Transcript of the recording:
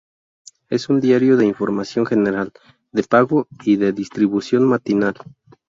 Es un diario de información general, de pago y de distribución matinal.